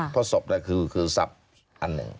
เพราะศพคือทรัพย์อันหนึ่ง